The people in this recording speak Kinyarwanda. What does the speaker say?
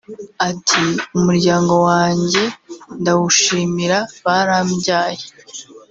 Ati “Umuryango wanjye ndawushimira barambyaye